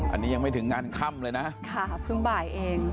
อันนี้ยังไม่ถึงงานค่ำเลยนะค่ะเพิ่งบ่ายเอง